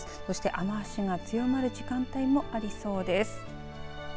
雨足が強まる時間帯もありそうです。